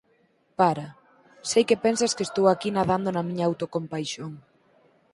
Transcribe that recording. Para. Sei que pensas que estou aquí nadando na miña autocompaixón